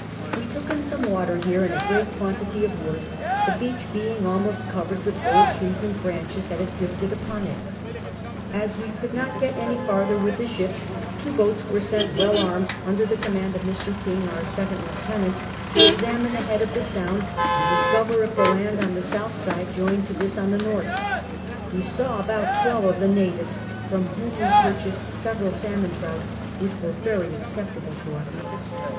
We took in some water here and a great quantity of wood, the beach being almost covered with old trees and branches that had drifted u}>on it. As we could not get any farther with the ships, two boats were sent well armed, under the command of Mr. King, our second lieutenant, to examine the head of the sound and discover if ilie land on the south side joined to this on the north. We saw about twelve of the natives, from whom we purchased several salmon trout, which were very acceptable to us.